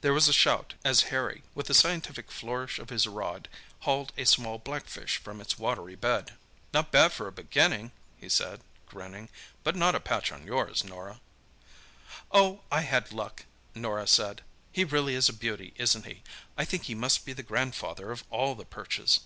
There was a shout as Harry, with a scientific flourish of his rod, hauled a small blackfish from its watery bed. "Not bad for a beginning!" he said, grinning. "But not a patch on yours, Norah!" "Oh, I had luck," Norah said. "He really is a beauty, isn't he? I think he must be the grandfather of all the perches."